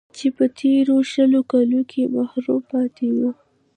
چې په تېرو شل کالو کې محروم پاتې و